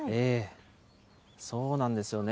そうなんですよね。